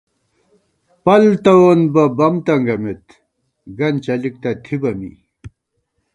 پل توون بہ بم تنگَمېت، گن چَلِک تہ تھِبہ می